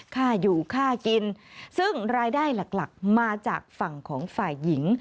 ค่าอยู่ค่ากินซึ่งรายได้หลักมาจากฝั่งของฝ่ายหญิง